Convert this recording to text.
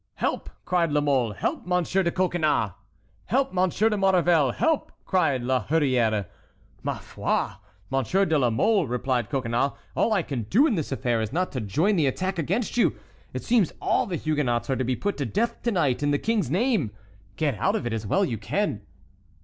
"Help!" cried La Mole; "help, Monsieur de Coconnas!" "Help, Monsieur de Maurevel!—help!" cried La Hurière. "Ma foi! Monsieur de la Mole," replied Coconnas, "all I can do in this affair is not to join the attack against you. It seems all the Huguenots are to be put to death to night, in the King's name. Get out of it as well as you can."